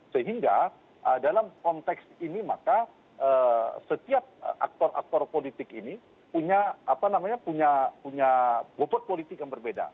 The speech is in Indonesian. sehingga dalam konteks ini maka setiap aktor aktor politik ini punya bobot politik yang berbeda